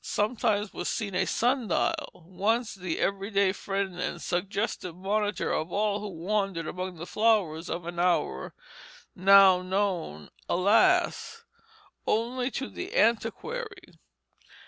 Sometimes was seen a sun dial once the every day friend and suggestive monitor of all who wandered among the flowers of an hour; now known, alas! only to the antiquary.